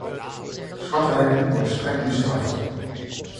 Zwartwerken wordt streng bestraft.